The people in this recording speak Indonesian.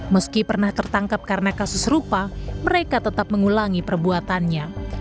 meski pernah tertangkap karena kasus serupa mereka tetap mengulangi perbuatannya